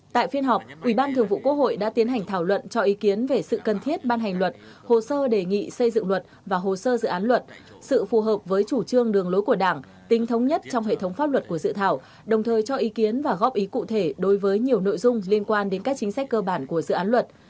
tại phiên họp ủy ban thường vụ quốc hội đã tiến hành thảo luận cho ý kiến về sự cần thiết ban hành luật hồ sơ đề nghị xây dựng luật và hồ sơ dự án luật sự phù hợp với chủ trương đường lối của đảng tính thống nhất trong hệ thống pháp luật của dự thảo đồng thời cho ý kiến và góp ý cụ thể đối với nhiều nội dung liên quan đến các chính sách cơ bản của dự án luật